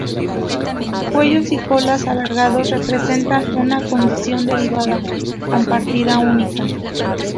Sus cuellos y colas alargados representan una condición derivada compartida única.